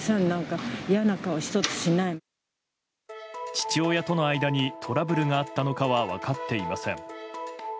父親との間にトラブルがあったのかは分かっていません。